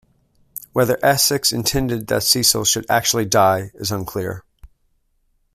Whether Essex intended that Cecil should actually die is unclear.